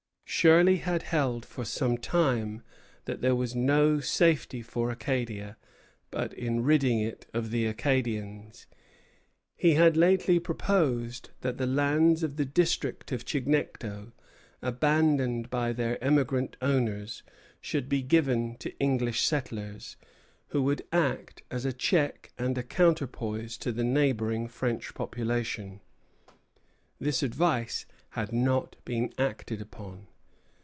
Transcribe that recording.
Shirley had held for some time that there was no safety for Acadia but in ridding it of the Acadians. He had lately proposed that the lands of the district of Chignecto, abandoned by their emigrant owners, should be given to English settlers, who would act as a check and a counterpoise to the neighboring French population. This advice had not been acted upon.